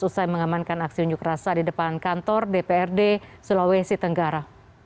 usai mengamankan aksi unjuk rasa di depan kantor dprd sulawesi tenggara